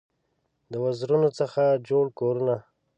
د وزرونو څخه جوړ کورونه